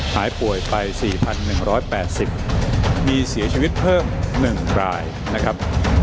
หายป่วยไป๔๑๘๐มีเสียชีวิตเพิ่ม๑รายนะครับ